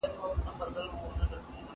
که وخت وي، مېوې وچوم!.